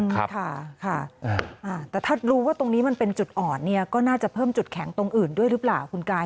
ค่ะค่ะแต่ถ้ารู้ว่าตรงนี้มันเป็นจุดอ่อนเนี่ยก็น่าจะเพิ่มจุดแข็งตรงอื่นด้วยหรือเปล่าคุณกาย